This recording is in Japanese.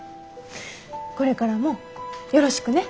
これからもよろしくね。